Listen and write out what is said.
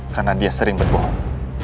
karena dia sering berbohong